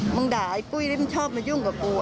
ด่าไอ้ปุ้ยแล้วมึงชอบมายุ่งกับกู